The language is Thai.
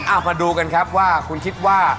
เอามาดูกันครับว่าคุณคิดว่า